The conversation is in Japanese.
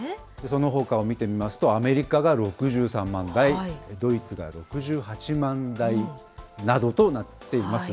そのほかを見てみますと、アメリカが６３万台、ドイツが６８万台などとなっています。